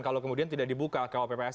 kalau kemudian tidak dibuka ke opps